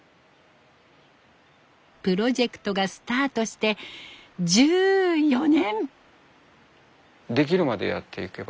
プロジェクトがスタートして１４年。